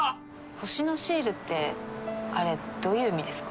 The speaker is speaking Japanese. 星のシールってあれどういう意味ですか？